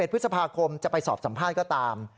๑พฤษภาคมจะไปสอบสัมภาษณ์ก็ตาม